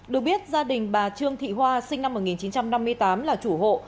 được biết gia đình bà trương thị hoa sinh năm một nghìn chín trăm năm mươi tám là chủ hộ